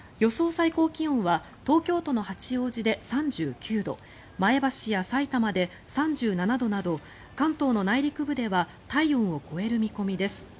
最高気温は東京都の八王子で３９度前橋やさいたまで３７度など関東の内陸部では体温を超える見込みです。